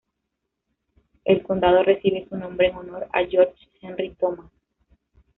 El condado recibe su nombre en honor a George Henry Thomas.